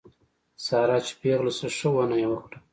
ساره چې پېغله شوه ښه ونه یې وکړه.